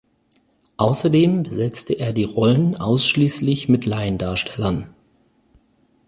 Außerdem besetzte er die Rollen ausschließlich mit Laiendarstellern.